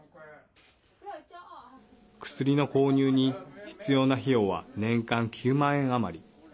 薬の購入に必要な費用は年間９万円余り。